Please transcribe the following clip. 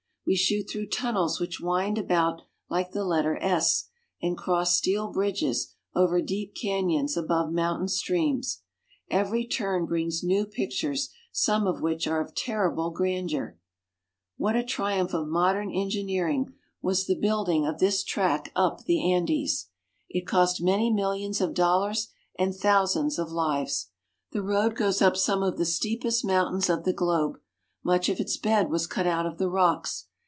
We shoot through tunnels which wind about like the letter S, and cross steel bridges over deep canyons above mountain streams. Every turn brings new pictures, some of which are of terrible grandeur. What a triumph of modern engineering was the build CARP. S. AM. — 5 70 PERU. ing of this track up the Andes! It cost many millions of dollars and thousands of lives. The road goes up some of the steepest mountains of the globe. Much of its bed was cut out of the rocks.